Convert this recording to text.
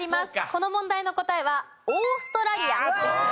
この問題の答えはオーストラリアでした。